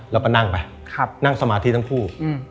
แล้วก็นั่งไปนั่งสมาธิทั้งคู่